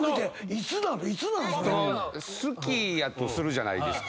好きやとするじゃないですか。